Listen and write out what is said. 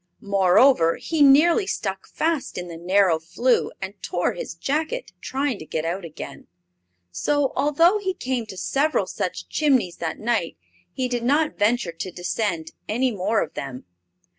Moreover, he nearly stuck fast in the narrow flue and tore his jacket trying to get out again; so, although he came to several such chimneys that night, he did not venture to descend any more of them.